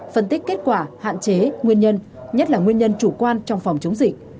phân tích kết quả hạn chế nguyên nhân nhất là nguyên nhân chủ quan trong phòng chống dịch